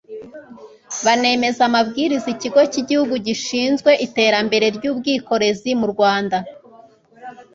banemeza amabwiriza ikigo cy'igihugu gishinzwe iterambere ry'ubwikorezi mu rwanda